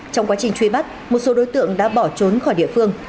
trong quá trình truy bắt một số đối tượng đã bỏ trốn khỏi địa phương